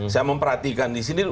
saya memperhatikan di sini